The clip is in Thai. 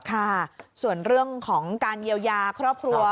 ค่ะส่วนเรื่องของการเยียวยาครอบครัว